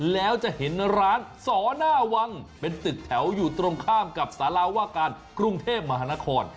แล้วจะเห็นร้านสอหน้าวังเป็นตึกแถวอยู่ตรงข้ามกับสาราว่าการกรุงเทพมหานคร